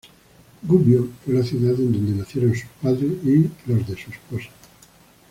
Gubbio fue la ciudad en donde nacieron sus padres y los de su esposa.